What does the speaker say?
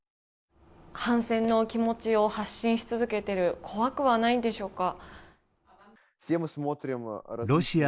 反戦の気持ちを発信し続けている、怖くはないんでしょうか？